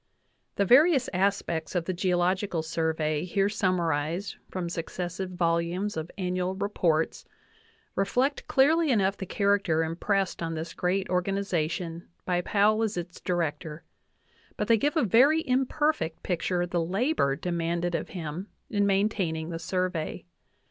The various aspects of the Geological Survey here sum marized from successive volumes of Annual Reports reflect clearly enough the character impressed on this great organiza tion by Powell as its Director; but they give a very imperfect picture of the labor demanded of him in maintaining the Sur vey.